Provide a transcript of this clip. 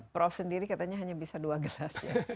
prof sendiri katanya hanya bisa dua gelas ya